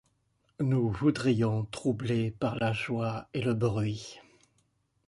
Nous voudrions, troublés par la joie et le bruit